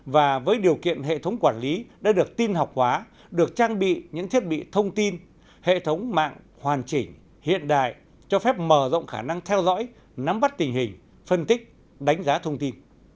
và với điều kiện hệ thống quản lý đã được tin học hóa được trang bị những thiết bị thông tin hệ thống mạng hoàn chỉnh hiện đại cho phép mở rộng khả năng theo dõi nắm bắt tình hình phân tích đánh giá thông tin